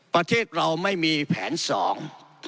ประเทศเราไม่มีแผนสอง